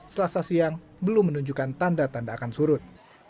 selasa siang belum menunjukkan tanda tanda akan surut